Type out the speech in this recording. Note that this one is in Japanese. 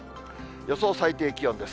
予想最低気温です。